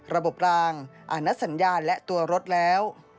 ระบบรางอาณสัญญาณและตัวรถแล้ว